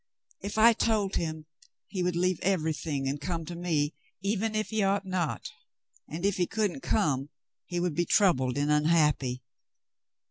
If I told him, he would leave everything and come to me, even if he ought not, and if he couldn't come, he would be troubled and unhappy.